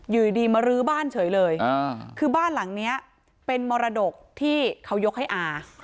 อยู่ดีมารื้อบ้านเฉยเลยคือบ้านหลังนี้เป็นมรดกที่เขายกให้อา